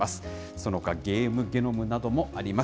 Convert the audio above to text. そのほか、ゲームゲノムなどもあります。